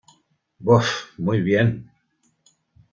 Buff: ¡Muy bien!